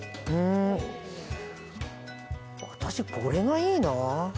私これがいいな。